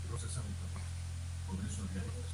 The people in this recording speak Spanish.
El diseño actual, sin embargo, es ficticio.